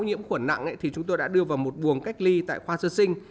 nhiễm khuẩn nặng thì chúng tôi đã đưa vào một buồng cách ly tại khoa sơ sinh